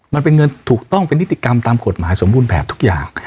มันเป็นเงินถูกต้องเป็นนิติกรรมตามกฎหมายสมบูรณ์แบบทุกอย่าง